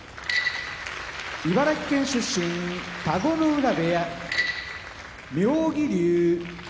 茨城県出身田子ノ浦部屋妙義龍